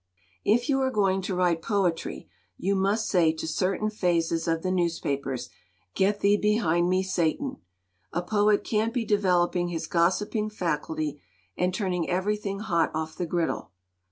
"If you are going to write poetry you must say to certain phases of the newspapers, ' Get thee behind me, Satan!' A poet can't be developing his gossiping faculty and turning everything hot off the griddle.